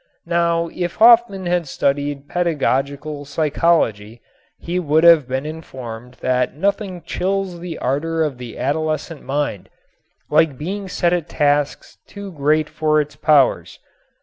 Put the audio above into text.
Now if Hofmann had studied pedagogical psychology he would have been informed that nothing chills the ardor of the adolescent mind like being set at tasks too great for its powers.